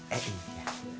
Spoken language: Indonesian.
eh ini dia